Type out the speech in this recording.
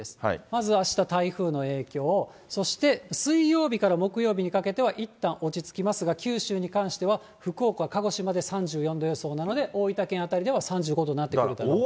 まずはあした、台風の影響、そして水曜日から木曜日にかけてはいったん落ち着きますが、九州に関しては、福岡、鹿児島で３４度予想なので、大分県辺りでは３５度になってくるかなと。